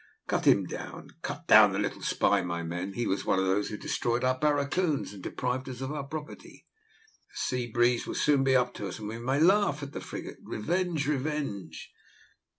"Cut him down, cut down the little spy, my men. He was one of those who destroyed our barracoons and deprived us of our property. The sea breeze will soon be up to us, and we may laugh at the frigate. Revenge, revenge!"